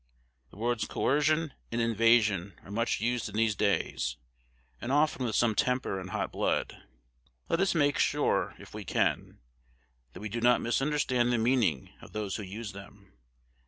"The words 'coercion' and 'invasion' are much used in these days, and often with some temper and hot blood. Let us make sure, if we can, that we do not misunderstand the meaning of those who use them.